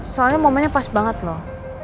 soalnya momennya pas banget loh